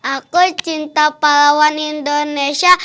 aku cinta pahlawan indonesia